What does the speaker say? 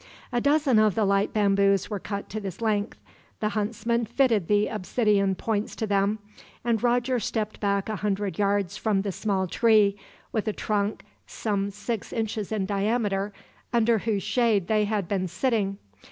A dozen of the light bamboos were cut to this length. The huntsman fitted the obsidian points to them, and Roger stepped back a hundred yards from the small tree, with a trunk some six inches in diameter, under whose shade they had been sitting.